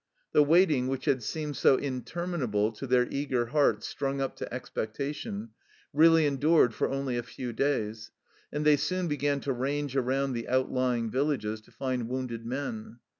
The waiting, which had seemed so interminable to their eager hearts strung up to expectation, really endured for only a few days, and they soon began to range around the outlying villages to find wounded men.